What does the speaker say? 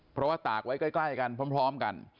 เพราะตากไว้ใกล้กล้ายกันพร้อมกัน